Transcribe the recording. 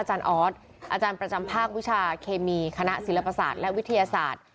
ออสอาจารย์ประจำภาควิชาเคมีคณะศิลปศาสตร์และวิทยาศาสตร์